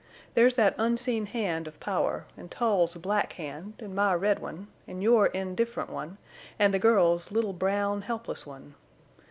There's that unseen hand of power, an' Tull's black hand, an' my red one, an' your indifferent one, an' the girl's little brown, helpless one.